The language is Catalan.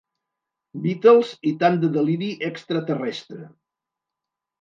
Beatles i tant de deliri extraterrestre.